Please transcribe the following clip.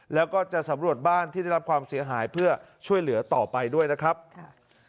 แล้วก็จะสำรวจบ้านที่ได้รับความเสียหายเพื่อช่วยเหลือต่อไปด้วยนะครับค่ะ